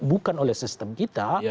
bukan oleh sistem kita